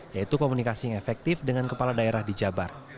yaitu komunikasi yang efektif dengan kepala daerah di jabar